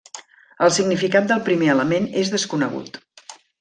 El significat del primer element és desconegut.